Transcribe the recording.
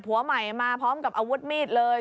ผัวใหม่มาพร้อมกับอาวุธมีดเลย